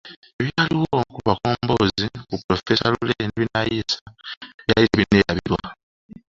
Ebyaliwo ku Bakomboozi ku polofeesa Lule ne Binaisa byali tebinneerabirwa.